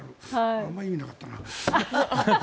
あんまり意味なかったな。